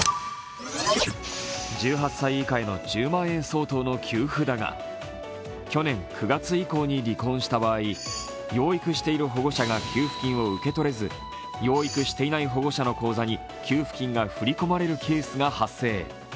１８歳以下への１０万円相当の給付だが、去年９月以降に離婚した場合、養育している保護者が給付金を受け取れず養育していない保護者の口座に給付金が振り込まれるケースが発生。